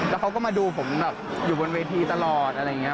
แล้วเขาก็มาดูผมอยู่บนเวทีตลอด